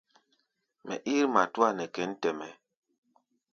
Mɛ ír matúa nɛ kěn tɛ-mɛ́.